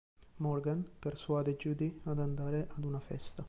Morgan persuade Judy ad andare ad una festa.